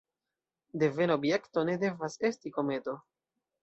Devena objekto ne devas esti kometo.